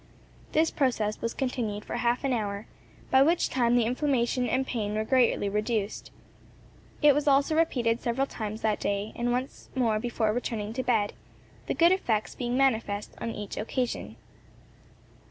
This process was continued for half an hour, by which time the inflammation and pain were greatly reduced. It was also repeated several times that day, and once more before retiring to bed, the good effects being manifest on each occasion.